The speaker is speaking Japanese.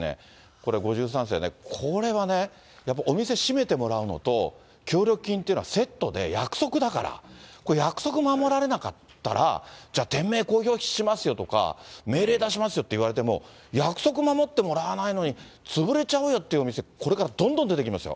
これ、５３世ね、これはね、やっぱりお店閉めてもらうのと、協力金っていうのはセットで、約束だから、これ、約束守られなかったら、じゃあ、店名公表しますよとか、命令出しますよって言われても、約束守ってもらわないのに、潰れちゃうよっていうお店、これからどんどん出てきますよ。